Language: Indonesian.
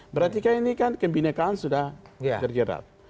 berarti kan ini kan kebinekaan sudah terjerat